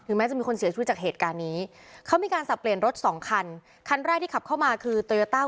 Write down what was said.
แม้จะมีคนเสียชีวิตจากเหตุการณ์นี้เขามีการสับเปลี่ยนรถสองคันคันแรกที่ขับเข้ามาคือโตโยต้า